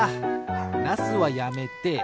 ナスはやめて。